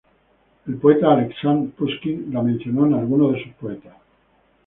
El poeta Aleksandr Pushkin la mencionó en algunos de sus poetas.